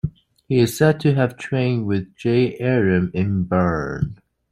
He is said to have trained with J. Erim in Bern.